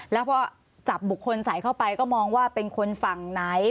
แล้วพอจับบุคคลใส่เข้าไปก็มองว่าเป็นคนฝั่งไหน